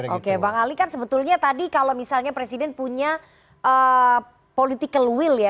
oke bang ali kan sebetulnya tadi kalau misalnya presiden punya political will ya